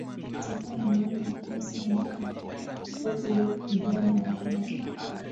Itakuwa na maana kubwa sana kwa viongozi vijana wanawake